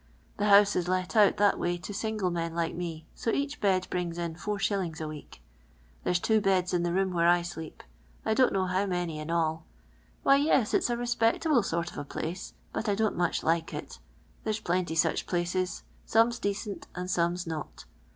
The house is let out that way to single men like me, so each bed brings in 4*. a week. There 's two beds in the room where 1 sleep; I don't know how many in all. Why, yi*8, it's a n*spectable sort of a place, but I don't much like it. Thi re 's plenty such phices ; some 's decent and some's not.